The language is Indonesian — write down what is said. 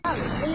tidak bisa ya